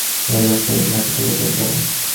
এই লোকটাকে ঘাঁটি থেকে বের করো।